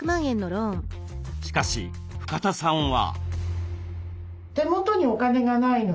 しかし深田さんは。